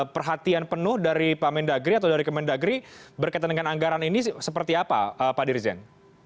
perhatian penuh dari pak mendagri atau dari kemendagri berkaitan dengan anggaran ini seperti apa pak dirjen